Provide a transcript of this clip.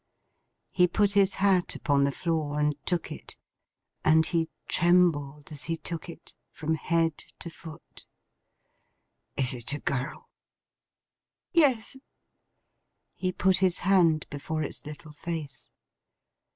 He put his hat upon the floor, and took it. And he trembled as he took it, from head to foot. 'Is it a girl?' 'Yes.' He put his hand before its little face.